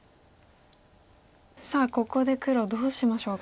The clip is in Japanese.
さあここで黒どうしましょうか。